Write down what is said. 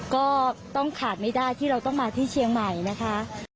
ก็ต้องขาดไม่ได้ที่เราต้องมาที่เชียงใหม่นะคะ